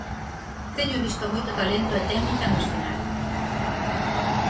Teño visto moito talento e técnica no escenario.